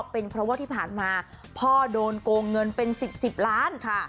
เป็นเพราะว่าที่ผ่านมาพ่อโดนโกงเงินเป็น๑๐๑๐ล้าน